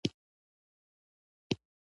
متن په زوړوالي او نویوالي پوري اړه نه لري.